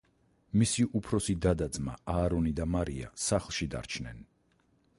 მისი უფროსი და და ძმა, აარონი და მარია სახლში დარჩნენ.